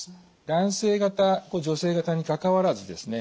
男性型女性型にかかわらずですね